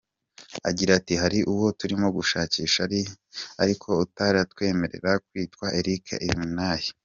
Agira ati “Hari uwo turimo gushakisha ariko utaratwemerera witwa Erike Ebunaye.